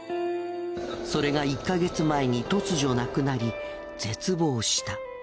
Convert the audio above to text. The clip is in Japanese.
それが１カ月前に突如なくなり絶望した。